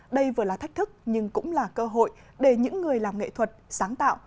đây vừa là thách thức nhưng cũng là cơ hội để những người làm nghệ thuật sáng tạo